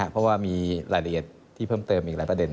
เพราะว่ามีรายละเอียดที่เพิ่มเติมอีกหลายประเด็น